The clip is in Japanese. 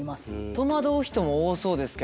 戸惑う人も多そうですけど。